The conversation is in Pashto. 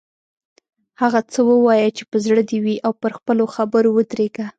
هغه څه ووایه چې په زړه دې وي او پر خپلو خبرو ودریږه.